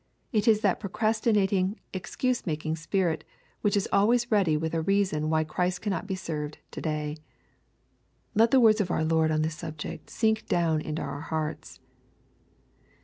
It is that procrastinating, excuse* making spirit, which is always ready with a reason why Christ cannot be served to day, — Let the words of our Lord on this subject sink down into our hearts.